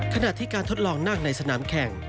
ขณะที่การทดลองนั่งในสนามแข่ง